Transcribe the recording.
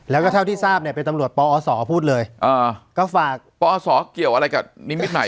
แล้วก็เท่าที่ทราบเนี่ยเป็นตำรวจปอศพูดเลยก็ฝากปอศเกี่ยวอะไรกับนิมิตใหม่